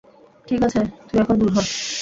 ঠিক আছে, তুই এখন দুর হ!